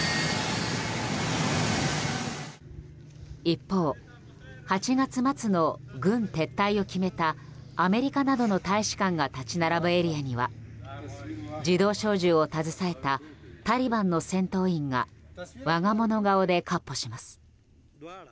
一方、８月末の軍撤退を決めたアメリカなどの大使館が立ち並ぶエリアには自動小銃を携えたタリバンの戦闘員が我が物顔で闊歩します。